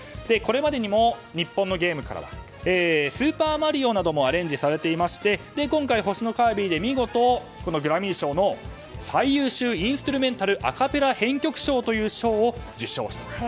これまでにも日本のゲームからは「スーパーマリオ」などもアレンジされていまして今回、「星のカービィ」で見事、グラミー賞の最優秀インストゥルメンタルアカペラ編曲賞というのを受賞したと。